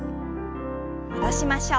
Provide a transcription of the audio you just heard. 戻しましょう。